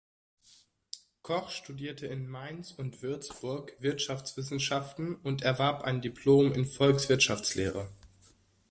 Koch studierte in Mainz und Würzburg Wirtschaftswissenschaften und erwarb ein Diplom in Volkswirtschaftslehre.